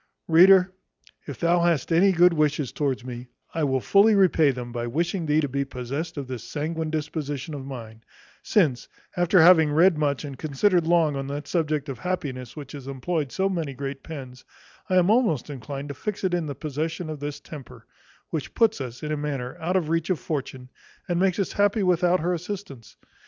Reader, if thou hast any good wishes towards me, I will fully repay them by wishing thee to be possessed of this sanguine disposition of mind; since, after having read much and considered long on that subject of happiness which hath employed so many great pens, I am almost inclined to fix it in the possession of this temper; which puts us, in a manner, out of the reach of Fortune, and makes us happy without her assistance.